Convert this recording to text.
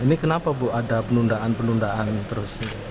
ini kenapa bu ada penundaan penundaan terus